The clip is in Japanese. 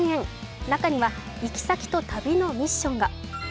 中には行き先と旅のミッションが。